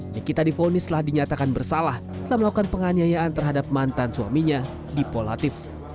nikita difonislah dinyatakan bersalah dalam melakukan penganiayaan terhadap mantan suaminya di polatif